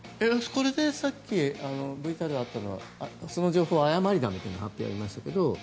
これでさっきＶＴＲであったのはその情報は誤りだみたいな話がありましたけど。